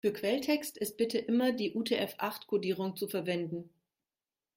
Für Quelltext ist bitte immer die UTF-acht-Kodierung zu verwenden.